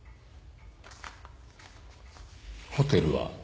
ホテルは？